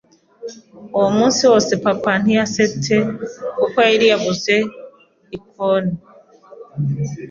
Uwo munsi wose papa ntiyasetsa kuko yari yabuze ikooni.